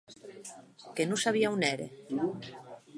Que non sabia a on ère.